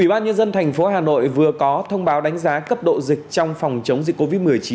ủy ban nhân dân thành phố hà nội vừa có thông báo đánh giá cấp độ dịch trong phòng chống dịch covid một mươi chín